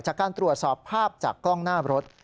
จากการตรวจสอบภาพจากกล้องหน้ารถ